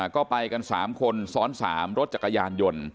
ก็ไปกัน๓คนซ้อน๓รถจักรยานยนต์